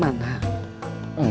kamu gak kemana mana